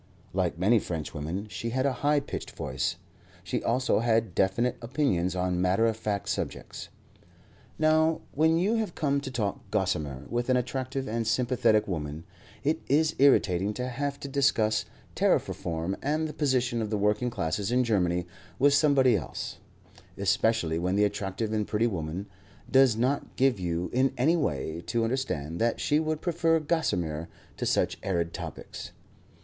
Like many Frenchwomen, she had a high pitched voice; she also had definite opinions on matter of fact subjects. Now when you have come to talk gossamer with an attractive and sympathetic woman, it is irritating to have to discuss Tariff Reform and the position of the working classes in Germany with somebody else, especially when the attractive and pretty woman does not give you in any way to understand that she would prefer gossamer to such arid topics.